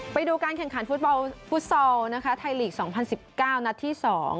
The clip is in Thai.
ไปดูการแข่งขันฟุตบอลฟุตซอลนะคะไทยลีก๒๐๑๙นัดที่๒